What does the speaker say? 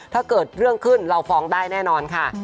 ถ้าเกิดเรื่องขึ้นเราฟ้องได้แน่นอนค่ะ